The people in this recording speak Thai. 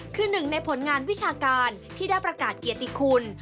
คือหนึ่งในผลงานวิชาการที่ได้ประกาศเกียรติคุณ